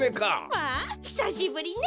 まあひさしぶりね！